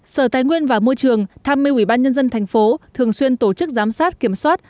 sở tài nguyên và môi trường tham mê ubnd thành phố thường xuyên tổ chức giám sát kiểm soát